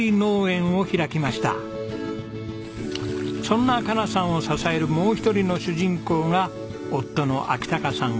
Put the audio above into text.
そんな佳奈さんを支えるもう一人の主人公が夫の章隆さん